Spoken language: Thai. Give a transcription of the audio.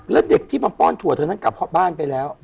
แล้วเด็กที่มาป้อนถั่วเธอนั้นกลับเพราะบ้านไปแล้ว